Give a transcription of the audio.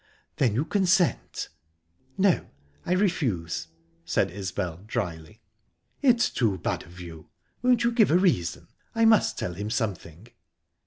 "Then you consent?" "No, I refuse," said Isbel, dryly. "It's too bad of you!...Won't you give a reason? I must tell him something."